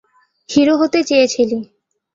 Hero হতে চেয়েছিলি!